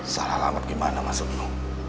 salah alamat gimana mas beno